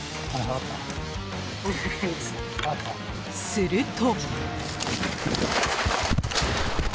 ［すると］